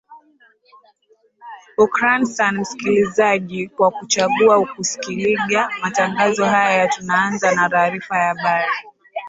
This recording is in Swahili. hukrani san msikilizaji kwa kuchangua kusikilija matangazo haya na tunaanza na taarifa ya habarii